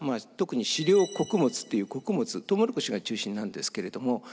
特に飼料穀物っていう穀物トウモロコシが中心なんですけれども。